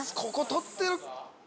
こことって！